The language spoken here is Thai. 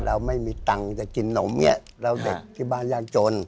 เราไม่มีตังก์กินนมเง่ตอนเด็กที่บ้านยากจน